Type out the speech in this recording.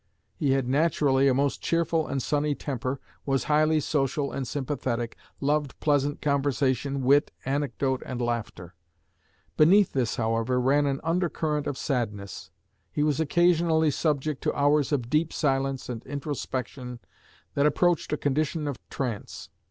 He had naturally a most cheerful and sunny temper, was highly social and sympathetic, loved pleasant conversation, wit, anecdote, and laughter. Beneath this, however, ran an undercurrent of sadness; he was occasionally subject to hours of deep silence and introspection that approached a condition of trance.